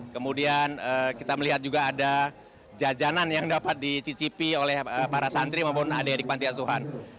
kemudian kita melihat juga ada jajanan yang dapat dicicipi oleh para santri maupun adik adik panti asuhan